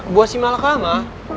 gua sih malah kama